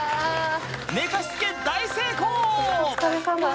寝かしつけ大成功！